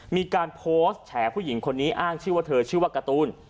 มีการโพสต์แฉผู้หญิงคนนี้อ้างชื่อว่าเธอชื่อว่าการ์ตูน